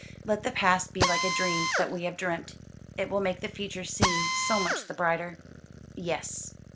"Let the past be like a dream that we have dreamt. It will make the future seem so much the brighter." "Yes."